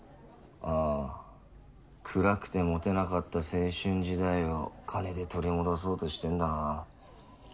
ああ暗くてモテなかった青春時代を金で取り戻そうとしてんだな。